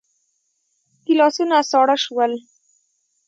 ګيلاسونه ساړه شول.